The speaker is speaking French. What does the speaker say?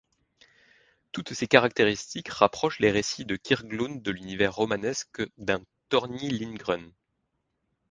Toutes ces caractéristiques rapprochent les récits de Kyrklund de l'univers romanesque d'un Torgny Lindgren.